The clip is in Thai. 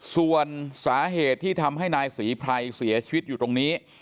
ส่วนสาเหตุที่ทำให้นายศรีไพรเสียชีวิตอยู่ตรงนี้